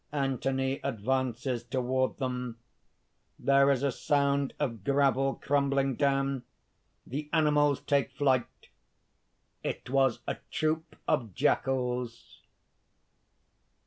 Anthony advances toward them. There is a sound of gravel crumbling down; the animals take flight. It was a troop of jackals.